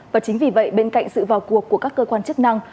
và chính vì vậy bên cạnh sự vào cuộc của các cơ quan chức năng